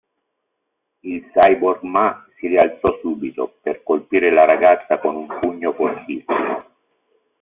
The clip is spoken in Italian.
Il cyborg ma si rialzò subito per colpire la ragazza con un pugno fortissimo.